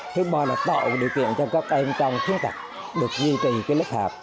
thứ ba là tạo điều kiện cho các em trong khiến tật được duy trì cái lớp học